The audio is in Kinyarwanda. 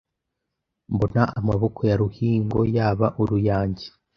Mbona amaboko ya Ruhingo yaba uruyange